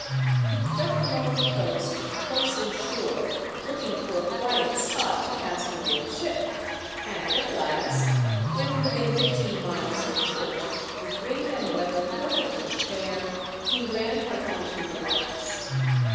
He crept along the coast close in shore, looking for a quiet spot to cast away the ship, and at last, when within fifteen miles of port, with wind and weather perfectly fair, he ran her on to the rocks.